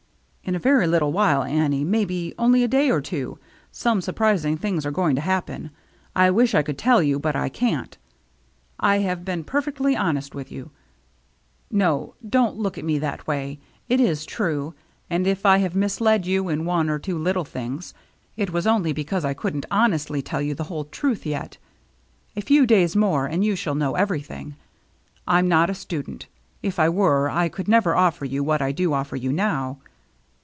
"In a very little while, Annie, — maybe DRAWING TOGETHER 177 only a day or two, — some surprising things are going to happen. I wish I could tell you, but I can't. I have been perfectly honest with you, — no, don't look at me that way ; it is true, — and if I have misled you in one or two little things, it was only because I couldn't honestly tell you the whole truth yet. A few days more, and you shall know everything. I'm not a student. If I were, I could never offer you what I do offer you now."